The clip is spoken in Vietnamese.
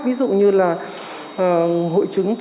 ví dụ như là hội chứng